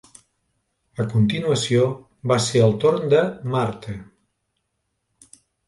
A continuació, va ser el torn de Marthe.